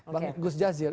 bang gus jazil